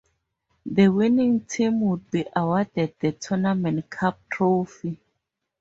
The winning team would be awarded the tournament cup trophy.